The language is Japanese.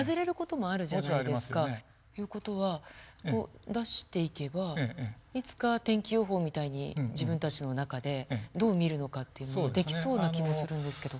もちろんありますよね。という事は出していけばいつかは天気予報みたいに自分たちの中でどう見るのかっていうのができそうな気もするんですけど。